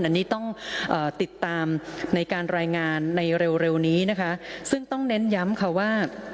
อันนี้ต้องติดตามในการรายงานในเร็วนี้นะคะซึ่งต้องเน้นย้ำค่ะว่า